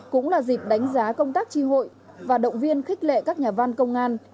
cũng là dịp đánh giá công tác tri hội và động viên khích lệ các nhà văn công an